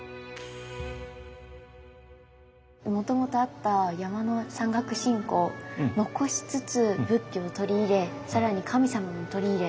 もともとあった山の山岳信仰残しつつ仏教を取り入れ更に神様も取り入れ